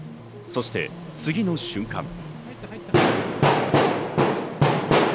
そして次の瞬間。